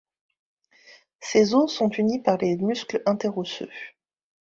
Ces os sont unis par les muscles interosseux.